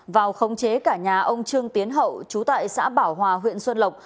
vào khống chế cả nhà ông trương tiến hậu chú tại xã bảo hòa huyện xuân lộc